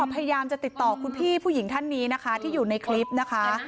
พยายามจะติดต่อคุณพี่ผู้หญิงท่านนี้นะคะที่อยู่ในคลิปนะคะ